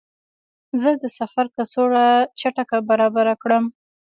زه د سفر کڅوړه چټکه برابره کړم.